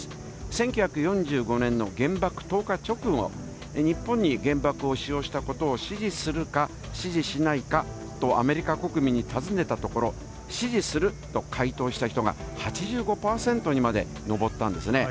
１９４５年の原爆投下直後、日本に原爆を使用したことを支持するか、支持しないかとアメリカ国民に尋ねたところ、支持すると回答した人が８５％にまで上ったんですね。